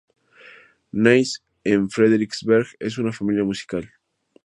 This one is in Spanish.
Nace en Frederiksberg en una familia musical.